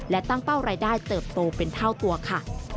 และตั้งเป้ารายได้เติบโตเป็นเท่าตัวค่ะ